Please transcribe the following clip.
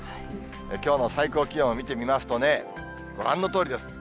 きょうの最高気温を見てみますとね、ご覧のとおりです。